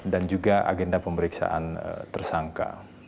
dan juga agenda pemeriksaan tersangka